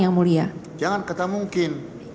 yang mulia jangan kata mungkin